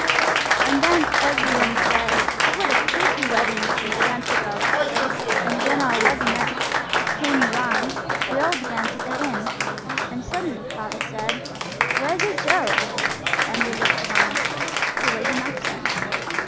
And then every one said, "What a pretty wedding!" and began to go. And when our waggonette came round we all began to get in. And suddenly Father said– "Where's H.O.?" And we looked round. He was in absence.